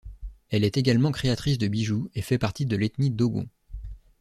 Elle est également créatrice de bijoux et fait partie de l'ethnie dogon.